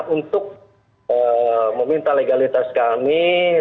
untuk meminta legalitas kami